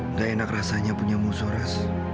nggak enak rasanya punya musuh ras